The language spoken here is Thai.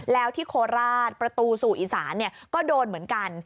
แล้วที่โคราชประตูสู่อีสานก็โดนเหมือนกัน